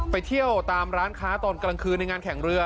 ไปเที่ยวตามร้านค้าตอนกลางคืนในงานแข่งเรือ